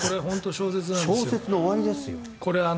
小説の終わりですよ。